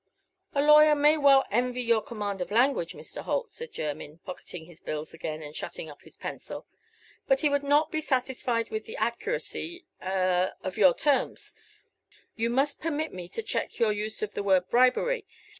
"A lawyer may well envy your command of language, Mr. Holt," said Jermyn, pocketing his bills again, and shutting up his pencil; "but he would not be satisfied with the accuracy a of your terms. You must permit me to check your use of the word 'bribery.'